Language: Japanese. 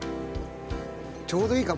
ちょうどいいかも。